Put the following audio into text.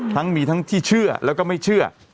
ทั้งมีทั้งที่เชื่อแล้วก็ไม่เชื่อ